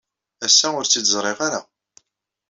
Ass-a, ur tt-id-ẓriɣ ara.